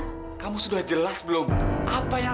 selamat datang lagi pantai